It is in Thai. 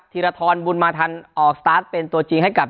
ธีรทรบุญมาทันออกสตาร์ทเป็นตัวจริงให้กับ